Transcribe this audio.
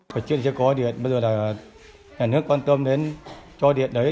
hồi trước chưa có điện bây giờ là nhà nước quan tâm đến cho điện đấy